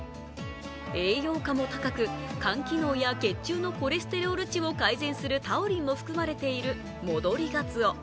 栄養価も高く、肝機能や血中のコレステロール値を改善するタウリンも含まれている戻りがつお。